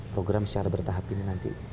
program secara bertahap ini nanti